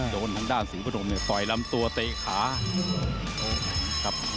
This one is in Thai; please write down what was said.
โดนทางด้านศรีประดงนี้ต่อยลำตัวเตะขา